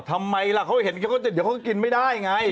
ทำไมล่ะเขาเห็นเขาก็เดี๋ยวเขาก็กินไม่ได้ไง